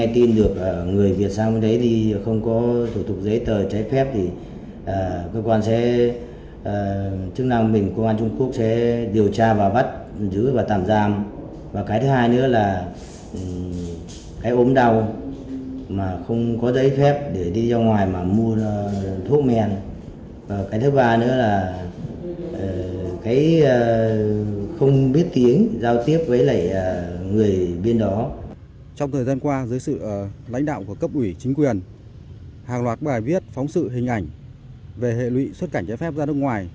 trong thời gian qua dưới sự lãnh đạo của cấp ủy chính quyền hàng loạt bài viết phóng sự hình ảnh về hệ lụy xuất cảnh trái phép ra nước ngoài